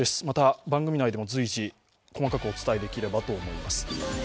また番組内でも随時細かくお伝えできればと思います。